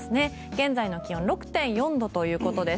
現在の気温６．４度ということです。